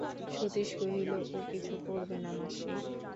সতীশ কহিল, ও কিছু করবে না মাসি!